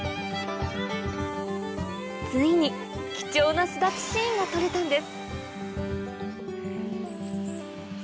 ついに貴重な巣立ちシーンが撮れたんです